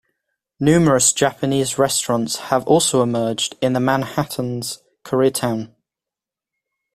Numerous Japanese restaurants have also emerged in Manhattan's Koreatown.